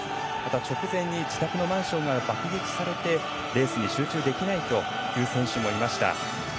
また、直前に自宅のマンションが爆撃されてレースに集中できないという選手もいました。